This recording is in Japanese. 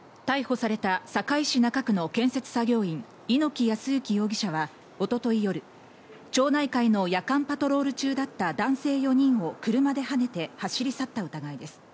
逮捕された堺市中区の建設作業員・猪木康之容疑者は一昨日夜、町内会の夜間パトロール中だった男性４人を車ではねて走り去った疑いです。